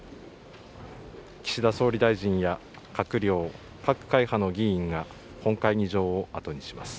岸田総理大臣や閣僚、各会派の議員が本会議場を後にします。